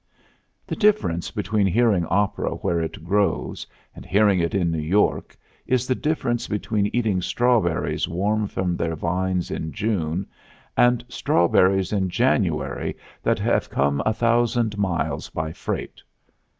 The difference between hearing opera where it grows and hearing it in New York is the difference between eating strawberries warm from their vines in June and strawberries in January that have come a thousand miles by freight.